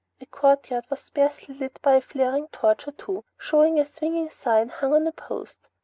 A courtyard was sparsely lit by a flaring torch or two, showing a swinging sign hung on a post.